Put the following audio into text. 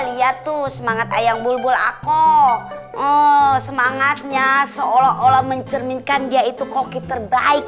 lihat tuh semangat ayam bulbul aku oh semangatnya seolah olah mencerminkan dia itu koki terbaik